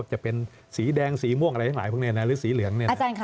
จะเป็นสีแดงสีม่วงหรือสีเรือง